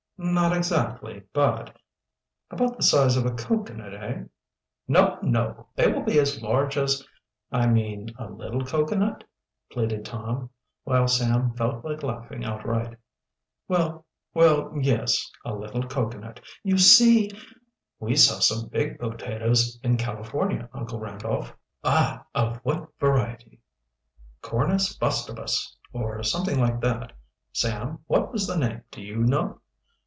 "Not exactly, but " "About the size of a cocoanut, eh?" "No! no! They will be as large as " "I mean a little cocoanut," pleaded Tom, while Sam felt like laughing outright. "Well, yes, a little cocoanut. You see " "We saw some big potatoes in California, Uncle Randolph." "Ah! Of what variety?" "Cornus bustabus, or something like that. Sam, what was the name, do you know?"